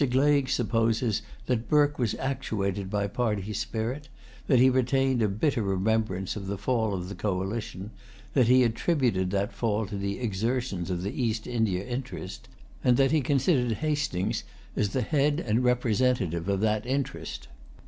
Gleig supposes that Burke was actuated by party spirit, that he retained a bitter remembrance of the fall of the coalition, that he attributed that fall to the exertions of the East India interest, and that he considered Hastings as the head and the representative of that interest.